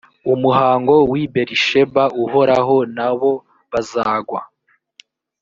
umuhango w i b risheba uhoraho na bo bazagwa